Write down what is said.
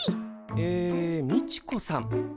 えみちこさん。